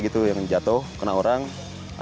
jadi kalau jatuh kena orang jadi bahaya